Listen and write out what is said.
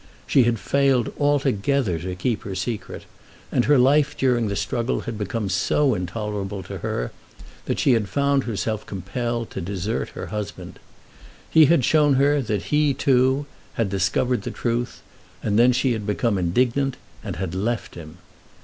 She had failed altogether to keep her secret, and her life during the struggle had become so intolerable to her that she had found herself compelled to desert her husband. He had shown her that he, too, had discovered the truth, and then she had become indignant, and had left him.